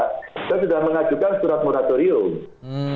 kita sudah mengajukan surat moratorium